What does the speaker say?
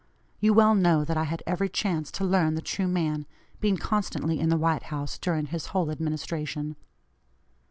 You well know that I had every chance to learn the true man, being constantly in the White House during his whole administration.